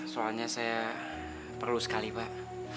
soalnya saya perlu sekali pak